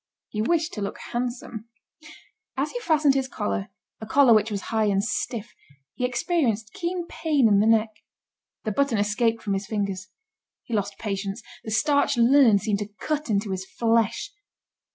He wished to look handsome. As he fastened his collar, a collar which was high and stiff, he experienced keen pain in the neck. The button escaped from his fingers. He lost patience. The starched linen seemed to cut into his flesh.